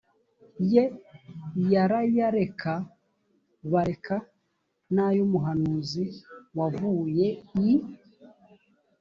ye barayareka bareka n ay umuhanuzi wavuye i